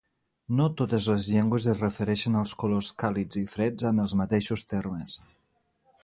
No totes les llengües es refereixen als colors càlids i freds amb els mateixos termes.